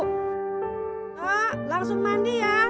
kak langsung mandi ya